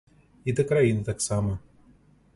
І да краіны таксама.